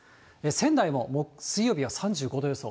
仙台も水曜日は３５度予想。